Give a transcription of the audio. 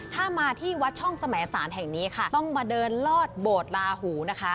ถ้ามาที่วัดช่องสมสารแห่งนี้ค่ะ